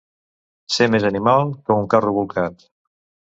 Ser més animal que un carro bolcat.